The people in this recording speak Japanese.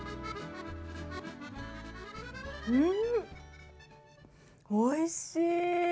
うん、おいしい。